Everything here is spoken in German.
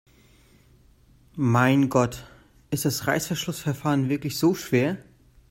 Mein Gott, ist das Reißverschlussverfahren wirklich so schwer?